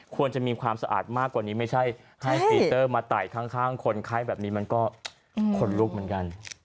ควรจะมีความสะอาดมากกว่านี้ไม่ใช่ให้ปีเตอร์มาไต่ข้างคนไข้แบบนี้มันก็ขนลุกเหมือนกัน